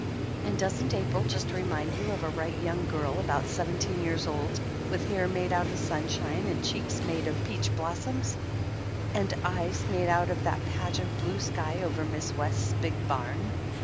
"And doesn't April just remind you of a right young girl, about seventeen years old, with hair made out of sunshine, and cheeks made of peach blos soms ; and eyes made out of that patch of blue sky over Mrs. West's big barn?"